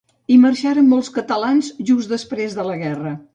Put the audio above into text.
Hi marxaren molts catalans just després de la guerra.